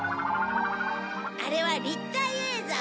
あれは立体映像。